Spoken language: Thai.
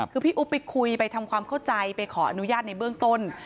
คือพี่อุ๊บไปคุยไปทำความเข้าใจไปขออนุญาตในเบื้องต้น